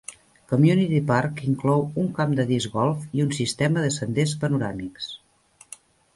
Community Park inclou un camp de disc golf i un sistema de senders panoràmics.